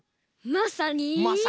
まさに。